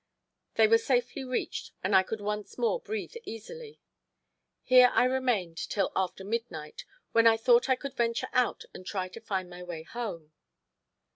They were safely reached, and I could once more breathe easily. Here I remained till after midnight, when I thought I could venture out and try to find my way home.